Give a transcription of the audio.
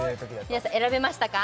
皆さん選べましたか？